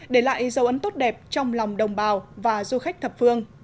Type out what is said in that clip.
để lại dấu ấn tốt đẹp trong lòng đồng bào và du khách thập phương